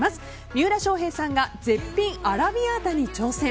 三浦翔平さんが絶品アラビアータに挑戦。